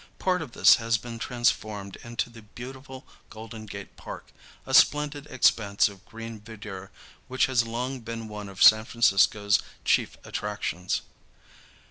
Part of this has been transformed into the beautiful Golden Gate Park, a splendid expanse of green verdure which has long been one of San Francisco's chief attractions.